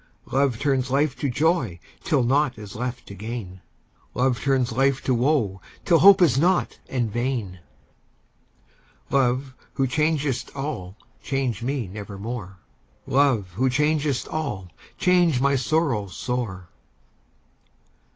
Love turns life to joy till nought is left to gain: "Love turns life to woe till hope is nought and vain." Love, who changest all, change me nevermore! "Love, who changest all, change my sorrow sore!"